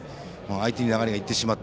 相手に流れが行ってしまった。